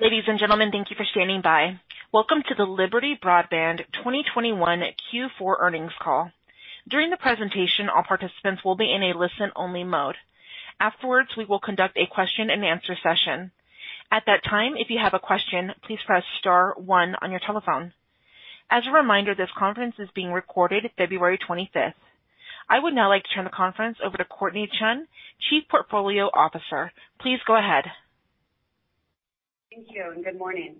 Ladies and gentlemen, thank you for standing by. Welcome to the Liberty Broadband 2021 Q4 earnings call. During the presentation, all participants will be in a listen-only mode. Afterwards, we will conduct a question-and-answer session. At that time, if you have a question, please press star one on your telephone. As a reminder, this conference is being recorded February 25th. I would now like to turn the conference over to Courtnee Chun, Chief Portfolio Officer. Please go ahead. Thank you and good morning.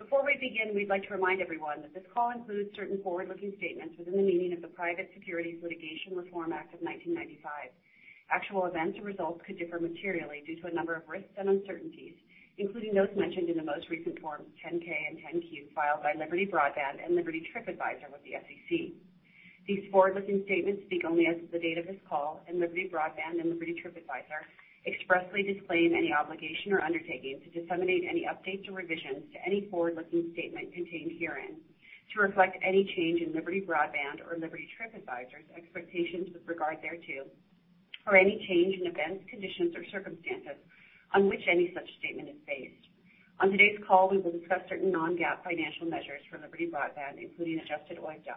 Before we begin, we'd like to remind everyone that this call includes certain forward-looking statements within the meaning of the Private Securities Litigation Reform Act of 1995. Actual events or results could differ materially due to a number of risks and uncertainties, including those mentioned in the most recent Form 10-K and 10-Q filed by Liberty Broadband and Liberty Tripadvisor with the SEC. These forward-looking statements speak only as of the date of this call, and Liberty Broadband and Liberty Tripadvisor expressly disclaim any obligation or undertaking to disseminate any updates or revisions to any forward-looking statement contained herein to reflect any change in Liberty Broadband or Liberty Tripadvisor expectations with regard thereto, or any change in events, conditions, or circumstances on which any such statement is based. On today's call, we will discuss certain non-GAAP financial measures for Liberty Broadband, including adjusted OIBDA.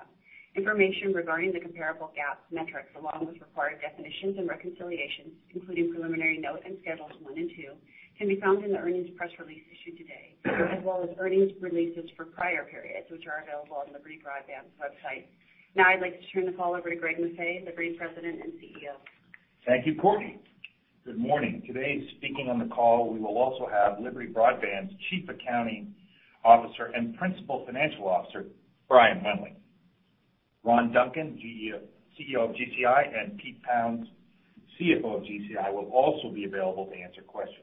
Information regarding the comparable GAAP metrics, along with required definitions and reconciliations, including preliminary notes and Schedules 1 and 2, can be found in the earnings press release issued today, as well as earnings releases for prior periods, which are available on Liberty Broadband's website. Now, I'd like to turn the call over to Greg Maffei, Liberty President and CEO. Thank you, Courtnee. Good morning. Today, speaking on the call, we will also have Liberty Broadband's Chief Accounting Officer and Principal Financial Officer, Brian Wendling. Ron Duncan, CEO of GCI, and Peter Pounds, CFO of GCI, will also be available to answer questions.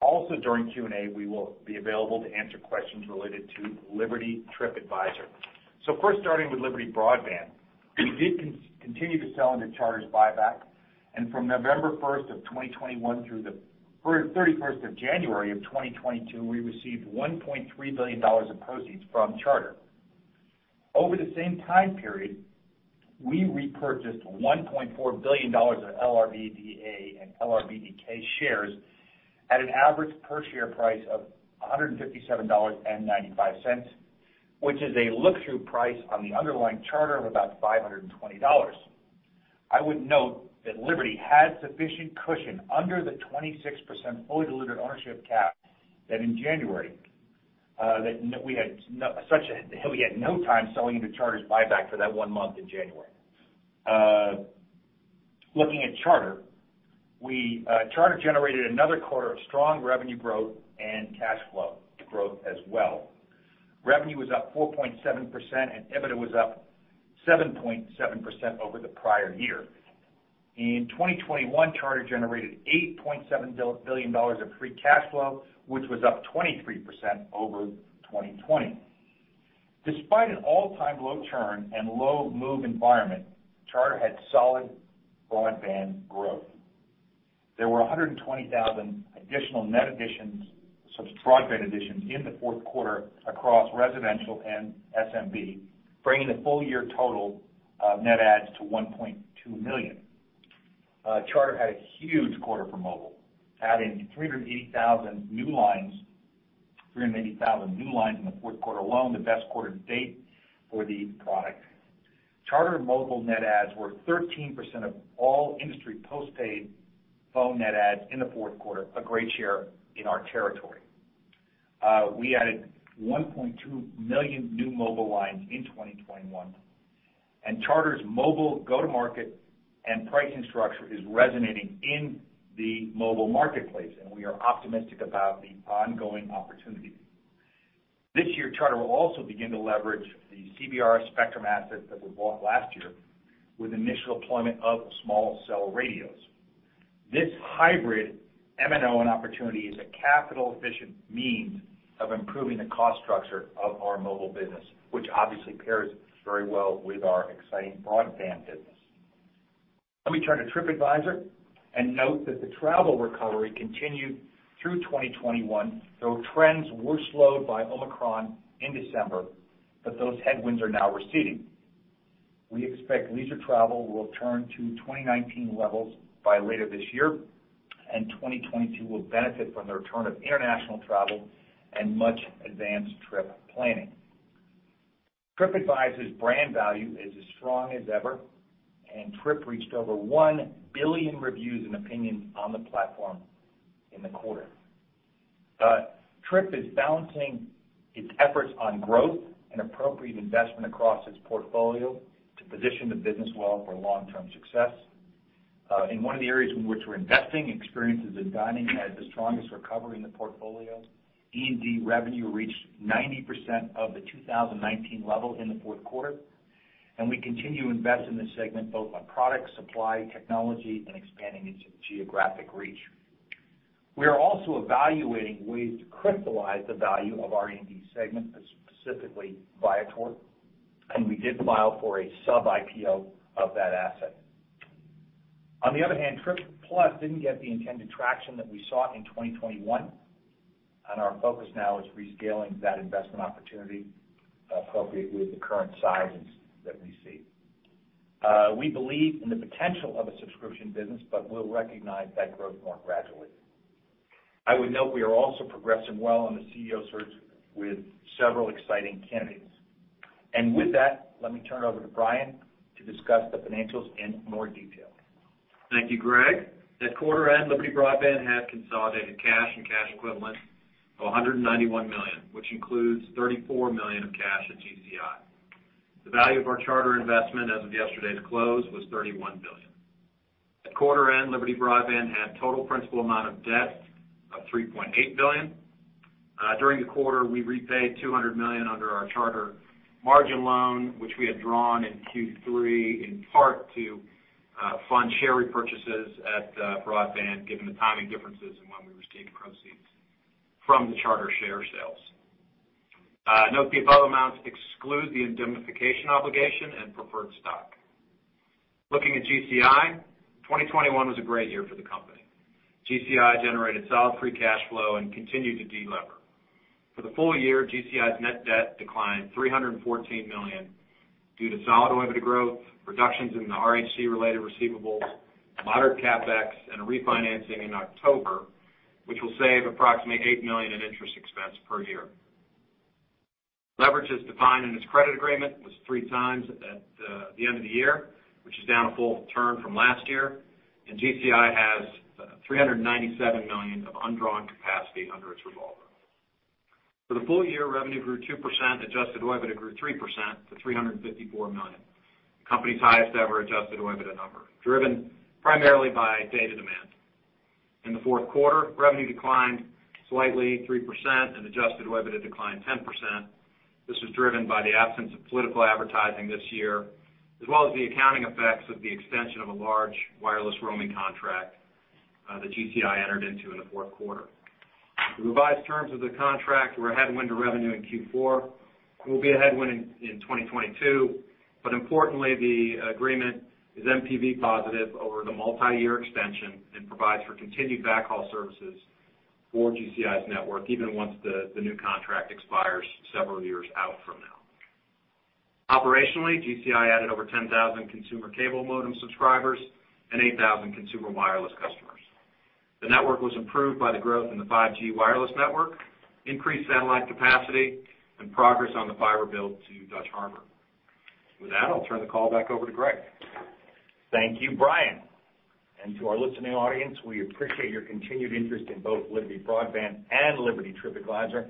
Also, during Q&A, we will be available to answer questions related to Liberty Tripadvisor. First, starting with Liberty Broadband, we did continue to sell into Charter's buyback, and from November 1st, 2021 through January 31st, 2022, we received $1.3 billion of proceeds from Charter. Over the same time period, we repurchased $1.4 billion of LRBDA and LRBDK shares at an average per share price of $157.95, which is a look-through price on the underlying Charter of about $520. I would note that Liberty had sufficient cushion under the 26% fully diluted ownership cap that in January, we had no time selling into Charter's buyback for that one month in January. Looking at Charter generated another quarter of strong revenue growth and cash flow growth as well. Revenue was up 4.7%, and EBITDA was up 7.7% over the prior year. In 2021, Charter generated $8.7 billion of free cash flow, which was up 23% over 2020. Despite an all-time low churn and low move environment, Charter had solid broadband growth. There were 120,000 additional net broadband additions in the fourth quarter across residential and SMB, bringing the full-year total of net adds to 1.2 million. Charter had a huge quarter for mobile, adding 380,000 new lines in the fourth quarter alone, the best quarter to date for the product. Charter mobile net adds were 13% of all industry postpaid phone net adds in the fourth quarter, a great share in our territory. We added 1.2 million new mobile lines in 2021, and Charter's mobile go-to-market and pricing structure is resonating in the mobile marketplace, and we are optimistic about the ongoing opportunities. This year, Charter will also begin to leverage the CBRS spectrum assets that we bought last year with initial deployment of small cell radios. This hybrid MVNO opportunity is a capital-efficient means of improving the cost structure of our mobile business, which obviously pairs very well with our exciting broadband business. Let me turn to Tripadvisor and note that the travel recovery continued through 2021, though trends were slowed by Omicron in December, but those headwinds are now receding. We expect leisure travel will return to 2019 levels by later this year, and 2022 will benefit from the return of international travel and much advanced trip planning. Tripadvisor's brand value is as strong as ever, and Trip reached over one billion reviews and opinions on the platform in the quarter. Trip is balancing its efforts on growth and appropriate investment across its portfolio to position the business well for long-term success. In one of the areas in which we're investing, Experiences and Dining had the strongest recovery in the portfolio. E&D revenue reached 90% of the 2019 level in the fourth quarter, and we continue to invest in this segment, both on product supply, technology, and expanding its geographic reach. We are also evaluating ways to crystallize the value of our E&D segment, specifically Viator, and we did file for a sub-IPO of that asset. On the other hand, Tripadvisor Plus didn't get the intended traction that we sought in 2021. Our focus now is rescaling that investment opportunity appropriate with the current size that we see. We believe in the potential of a subscription business, but we'll recognize that growth more gradually. I would note we are also progressing well on the CEO search with several exciting candidates. With that, let me turn it over to Brian to discuss the financials in more detail. Thank you, Greg. At quarter end, Liberty Broadband had consolidated cash and cash equivalents of $191 million, which includes $34 million of cash at GCI. The value of our Charter investment as of yesterday's close was $31 billion. At quarter end, Liberty Broadband had total principal amount of debt of $3.8 billion. During the quarter, we repaid $200 million under our Charter margin loan, which we had drawn in Q3, in part to fund share repurchases at Broadband given the timing differences in when we received proceeds from the Charter share sales. Note the above amounts exclude the indemnification obligation and preferred stock. Looking at GCI, 2021 was a great year for the company. GCI generated solid free cash flow and continued to delever. For the full year, GCI's net debt declined $314 million due to solid OIBDA growth, reductions in the RHC-related receivables, moderate CapEx, and a refinancing in October, which will save approximately $8 million in interest expense per year. Leverage as defined in its credit agreement was 3x at the end of the year, which is down a full turn from last year, and GCI has $397 million of undrawn capacity under its revolver. For the full year, revenue grew 2%, adjusted OIBDA grew 3% to $354 million, the company's highest ever adjusted OIBDA number, driven primarily by data demand. In the fourth quarter, revenue declined slightly 3% and adjusted OIBDA declined 10%. This was driven by the absence of political advertising this year, as well as the accounting effects of the extension of a large wireless roaming contract that GCI entered into in the fourth quarter. The revised terms of the contract were a headwind to revenue in Q4, will be a headwind in 2022, but importantly, the agreement is NPV positive over the multiyear extension and provides for continued backhaul services for GCI's network, even once the new contract expires several years out from now. Operationally, GCI added over 10,000 consumer cable modem subscribers and 8,000 consumer wireless customers. The network was improved by the growth in the 5G wireless network, increased satellite capacity, and progress on the fiber build to Dutch Harbor. With that, I'll turn the call back over to Greg. Thank you, Brian. To our listening audience, we appreciate your continued interest in both Liberty Broadband and Liberty Tripadvisor,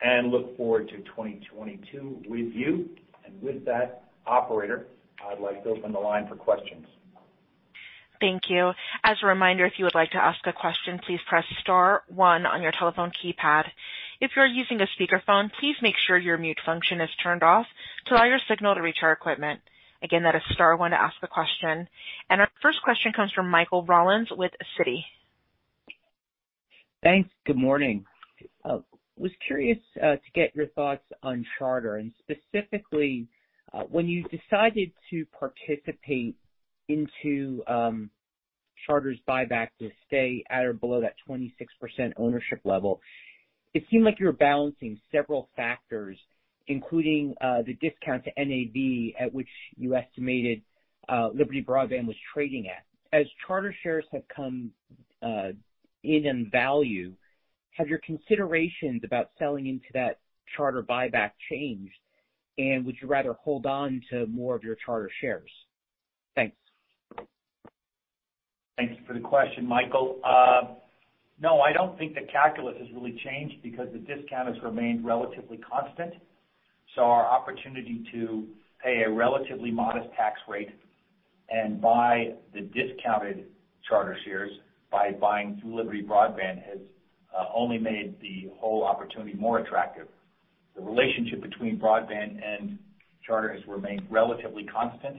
and look forward to 2022 with you. With that, operator, I'd like to open the line for questions. Thank you. As a reminder, if you would like to ask a question, please press star one on your telephone keypad. If you're using a speakerphone, please make sure your mute function is turned off to allow your signal to reach our equipment. Again, that is star one to ask a question. Our first question comes from Michael Rollins with Citi. Thanks. Good morning. I was curious to get your thoughts on Charter, and specifically, when you decided to participate into Charter's buyback to stay at or below that 26% ownership level, it seemed like you were balancing several factors, including the discount to NAV at which you estimated Liberty Broadband was trading at. As Charter shares have come in value, have your considerations about selling into that Charter buyback changed? Would you rather hold on to more of your Charter shares? Thanks. Thank you for the question, Michael. No, I don't think the calculus has really changed because the discount has remained relatively constant. Our opportunity to pay a relatively modest tax rate and buy the discounted Charter shares by buying through Liberty Broadband has only made the whole opportunity more attractive. The relationship between Broadband and Charter has remained relatively constant,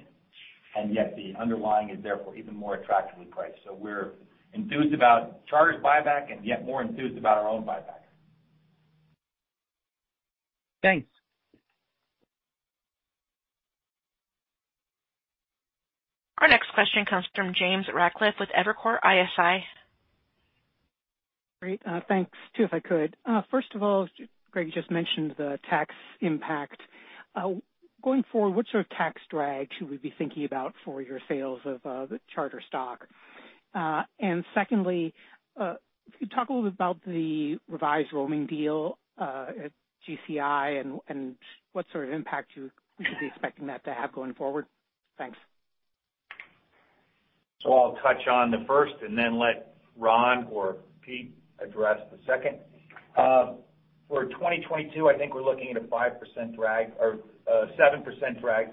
and yet the underlying is therefore even more attractively priced. We're enthused about Charter's buyback and yet more enthused about our own buyback. Thanks. Our next question comes from James Ratcliffe with Evercore ISI. Great. Thanks. Two, if I could. First of all, Greg, you just mentioned the tax impact. Going forward, what sort of tax drag should we be thinking about for your sales of the Charter stock? And secondly, if you talk a little bit about the revised roaming deal at GCI and what sort of impact we should be expecting that to have going forward? Thanks. I'll touch on the first and then let Ron or Pete address the second. For 2022, I think we're looking at a 5% drag or a 7% drag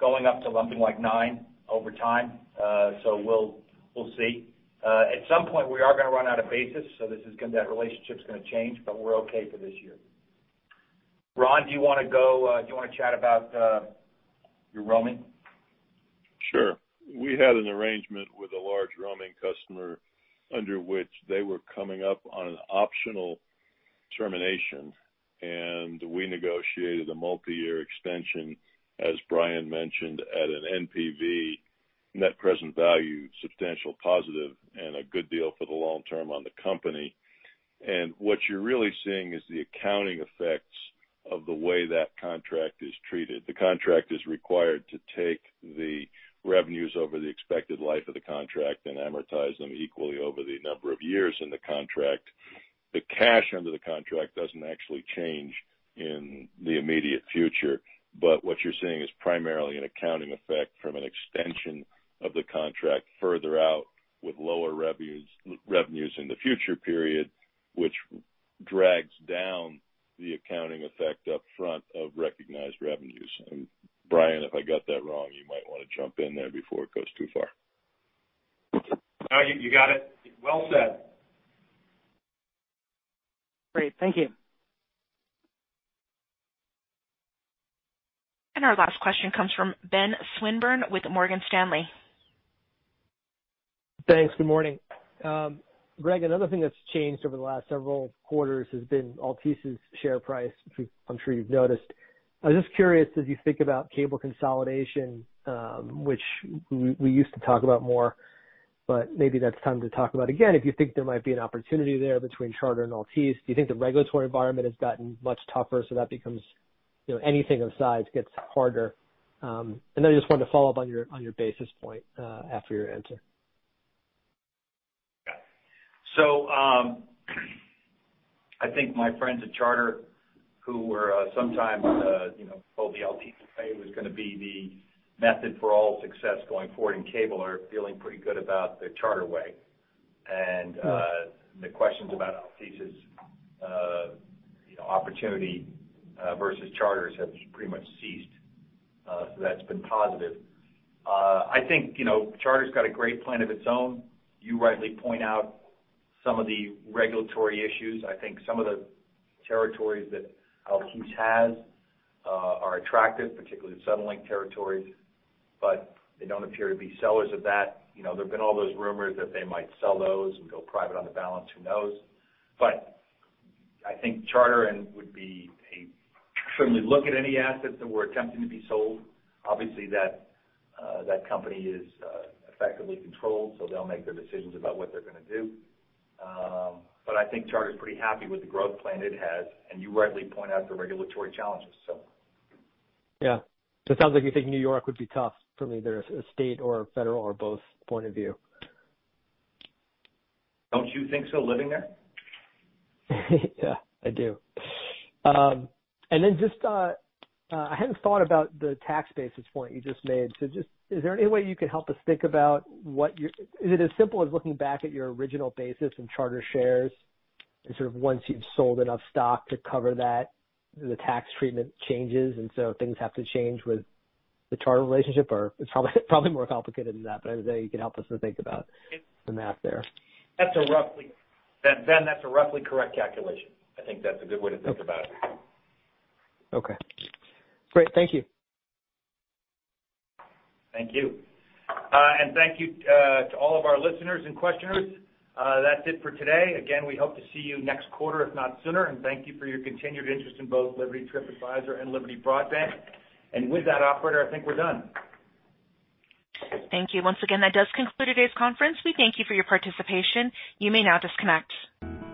going up to something like 9% over time. We'll see. At some point, we are gonna run out of basis, so that relationship's gonna change, but we're okay for this year. Ron, do you wanna chat about your roaming? Sure. We had an arrangement with a large roaming customer under which they were coming up on an optional termination, and we negotiated a multiyear extension, as Brian mentioned, at an NPV, net present value, substantial positive and a good deal for the long term on the company. What you're really seeing is the accounting effects of the way that contract is treated. The contract is required to take the revenues over the expected life of the contract and amortize them equally over the number of years in the contract. The cash under the contract doesn't actually change in the immediate future, but what you're seeing is primarily an accounting effect from an extension of the contract further out with lower revenues in the future period, which drags down the accounting effect up front of recognized revenues. Brian, if I got that wrong, you might wanna jump in there before it goes too far. No, you got it. Well said. Great. Thank you. Our last question comes from Ben Swinburne with Morgan Stanley. Thanks. Good morning. Greg, another thing that's changed over the last several quarters has been Altice's share price, which I'm sure you've noticed. I was just curious, as you think about cable consolidation, which we used to talk about more, but maybe that's time to talk about again, if you think there might be an opportunity there between Charter and Altice. Do you think the regulatory environment has gotten much tougher, so that becomes, you know, anything of size gets harder? And then I just wanted to follow up on your basis point after your answer. Yeah. I think my friends at Charter who were sometimes you know told the Altice way was gonna be the method for all success going forward in cable are feeling pretty good about the Charter way. The questions about Altice's you know opportunity versus Charter's have pretty much ceased. That's been positive. I think you know Charter's got a great plan of its own. You rightly point out some of the regulatory issues. I think some of the territories that Altice has are attractive, particularly the Suddenlink territories, but they don't appear to be sellers of that. You know, there have been all those rumors that they might sell those and go private on the balance. Who knows? I think Charter would certainly look at any assets that were attempting to be sold. Obviously, that company is effectively controlled, so they'll make their decisions about what they're gonna do. I think Charter is pretty happy with the growth plan it has, and you rightly point out the regulatory challenges, so. Yeah. It sounds like you think New York would be tough for either a state or a federal or both point of view. Don't you think so, living there? Yeah, I do. I hadn't thought about the tax basis point you just made. Is there any way you could help us think about it? Is it as simple as looking back at your original basis in Charter shares, and sort of once you've sold enough stock to cover that, the tax treatment changes, and so things have to change with the Charter relationship? It's probably more complicated than that, but I was wondering if you could help us to think about the math there. That's a roughly correct calculation, Ben. I think that's a good way to think about it. Okay. Great. Thank you. Thank you. Thank you to all of our listeners and questioners. That's it for today. Again, we hope to see you next quarter, if not sooner. Thank you for your continued interest in both Liberty Tripadvisor and Liberty Broadband. With that, operator, I think we're done. Thank you. Once again, that does conclude today's conference. We thank you for your participation. You may now disconnect.